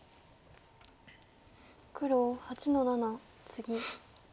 黒８の七ツギ。